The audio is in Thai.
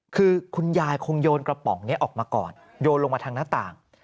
คือคุณยายคงโยนกระป๋องนี้ออกมาก่อนโยนลงมาทางหน้าต่าง